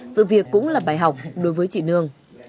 sự việc cũng là bài học đối với chị nương